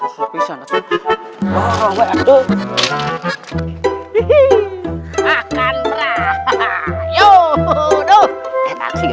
saya akan menjaga ibu